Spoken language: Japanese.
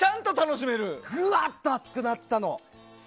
ぐわーっと熱くなったの。